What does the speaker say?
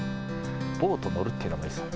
ボート乗るっていうのもいいですね。